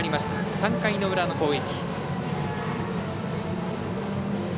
３回の裏の攻撃。